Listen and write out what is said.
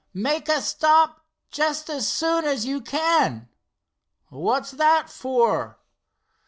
"Make a stop just as soon as you can." "What's that for?"